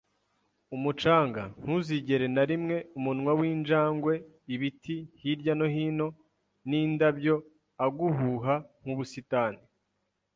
umucanga, ntuzigere na rimwe umunwa w'injangwe, ibiti hirya no hino, n'indabyo a-guhuha nk'ubusitani